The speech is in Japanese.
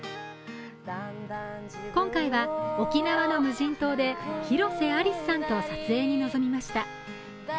今回は、沖縄の無人島で広瀬アリスさんと撮影に臨みました。